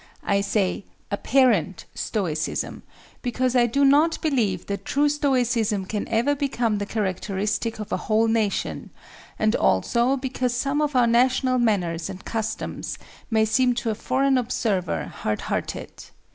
I say apparent stoicism, because I do not believe that true stoicism can ever become the characteristic of a whole nation, and also because some of our national manners and customs may seem to a foreign observer hard hearted.